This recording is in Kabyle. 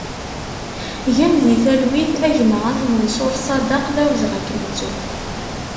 Gen di talwit a gma At Mansur Saddek, d awezɣi ad k-nettu!